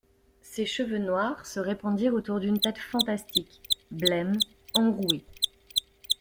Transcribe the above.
Ses cheveux noirs se répandirent autour d'une tête fantastique, blême, enrouée.